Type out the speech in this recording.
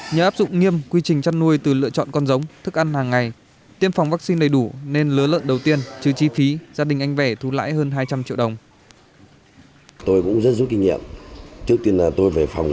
nhờ áp dụng nghiêm quy trình chăn nuôi từ lựa chọn con giống thức ăn hàng ngày tiêm phòng vaccine đầy đủ nên lỡ lợn đầu tiên chứ chi phí gia đình anh vẻ thú lãi hơn hai trăm linh triệu đồng